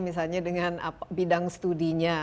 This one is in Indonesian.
misalnya dengan bidang studinya